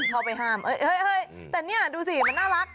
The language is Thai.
เข้าไปห้ามเฮ้ยแต่นี่ดูสิมันน่ารัก